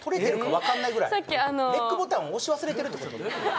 ＲＥＣボタンを押し忘れてるってこと？